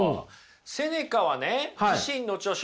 セネカはね自身の著書